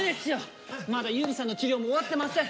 まだユーリさんの治療も終わってません。